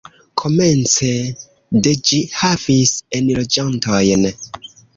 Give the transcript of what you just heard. Komence de ĝi havis enloĝantojn.